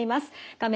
画面